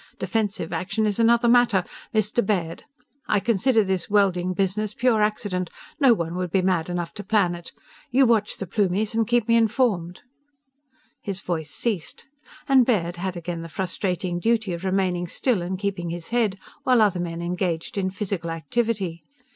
Defensive action is another matter. Mr. Baird! I consider this welding business pure accident. No one would be mad enough to plan it. You watch the Plumies and keep me informed!_" His voice ceased. And Baird had again the frustrating duty of remaining still and keeping his head while other men engaged in physical activity.